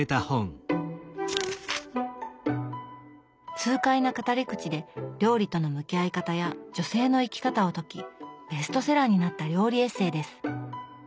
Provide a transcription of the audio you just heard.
痛快な語り口で料理との向き合い方や女性の生き方を説きベストセラーになった料理エッセーです。